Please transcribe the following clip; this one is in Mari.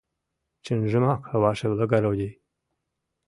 — Чынжымак, ваше благородий...